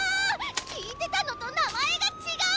聞いてたのと名前が違う！